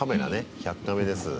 「１００カメ」です。